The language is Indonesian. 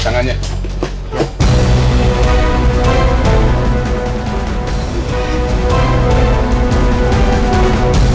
kok gue bisa di sini